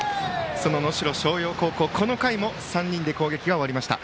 その能代松陽高校は、この回も３人で攻撃が終わりました。